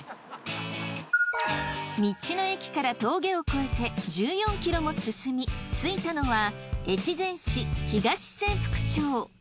道の駅から峠を越えて１４ｋｍも進み着いたのは越前市東千福町。